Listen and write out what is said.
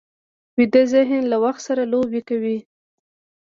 ویده ذهن له وخت سره لوبې کوي